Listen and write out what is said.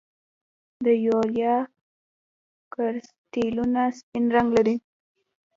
د یوریا کرسټلونه سپین رنګ لري.